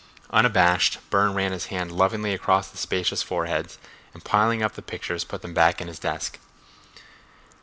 Unabashed, Burne ran his hand lovingly across the spacious foreheads, and piling up the pictures put them back in his desk.